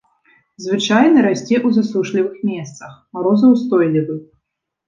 Звычайна расце ў засушлівых месцах, марозаўстойлівы.